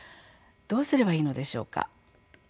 どうすればいいのでしょうか。